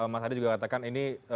mas hadi juga katakan ini